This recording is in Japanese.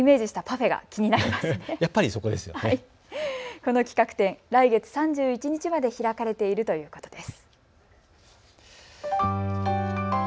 この企画展、来月３１日まで開かれているということです。